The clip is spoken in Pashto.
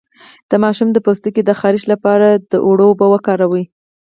د ماشوم د پوستکي د خارښ لپاره د اوړو اوبه وکاروئ